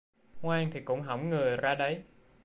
Ngoan thì cũng hỏng người ra đấy